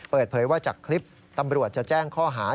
เปิดเผยว่าจากคลิปตำรวจจะแจ้งข้อหา